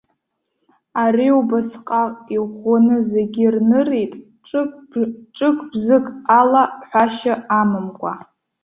Ари убасҟак иӷәӷәаны зегьы ирнырит, ҿык-бзык ала ҳәашьа амамкәа.